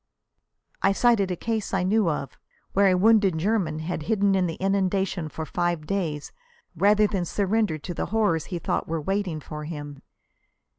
I cited a case I knew of, where a wounded German had hidden in the inundation for five days rather than surrender to the horrors he thought were waiting for him.